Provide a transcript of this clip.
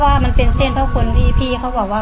ว่ามันเป็นเส้นเพราะคนพี่เขาบอกว่า